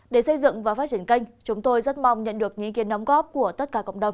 để xây dựng và phát triển kênh chúng tôi rất mong nhận được ý kiến đóng góp của tất cả cộng đồng